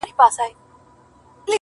• پر محراب به مي د زړه هغه امام وي,